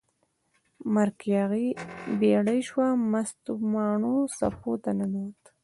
مرک یاغي بیړۍ شوه، مست ماڼو څپو ته ننووت